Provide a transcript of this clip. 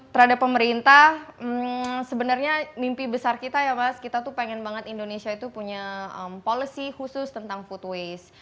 terhadap pemerintah sebenarnya mimpi besar kita ya mas kita tuh pengen banget indonesia itu punya policy khusus tentang food waste